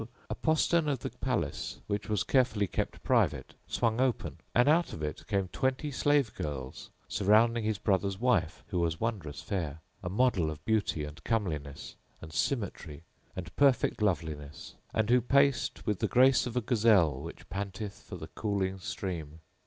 a postern of the palace, which was carefully kept private, swung open and out of it came twenty slave girls surrounding his bother's wife who was wondrous fair, a model of beauty and comeliness and symmetry and perfect loveliness and who paced with the grace of a gazelle which panteth for the cooling stream.